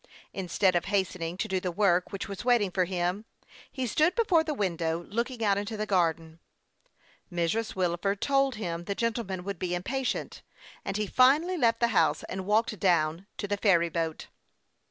Instead of hastening to do the work which was waiting for him, he stood before the window looking out into the garden. Mrs. Wilford told him the gentleman would be impatient, and he finally 32 HASTE AND WASTE, OR left the house, and walked down to the ferry boat.